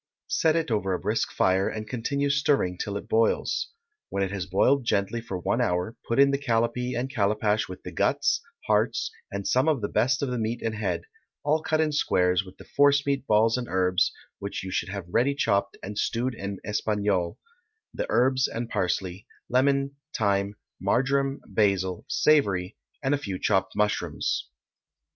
Set it over a brisk fire, and continue stirring till it boils. When it has boiled gently for one hour put in the callipee and callipash with the guts, hearts, and some of the best of the meat and head, all cut in squares, with the forcemeat balls and herbs, which you should have ready chopped and stewed in espagnole; the herbs and parsley, lemon, thyme, marjoram, basil, savory, and a few chopped mushrooms.